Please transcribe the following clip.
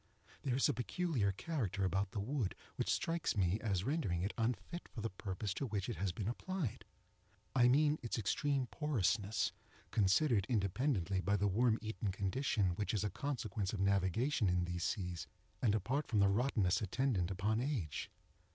There is a peculiar character about the wood which strikes me as rendering it unfit for the purpose to which it has been applied. I mean its extreme porousness, considered independently by the worm eaten condition which is a consequence of navigation in these seas, and apart from the rottenness attendant upon age.